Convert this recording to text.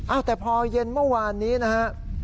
แต่พอเย็นเมื่อวานนี้นะฮะ